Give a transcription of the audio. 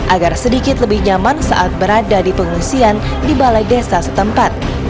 agar sedikit lebih nyaman saat berada di pengungsian di balai desa setempat